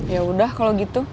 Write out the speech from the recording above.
ya udah kalau gitu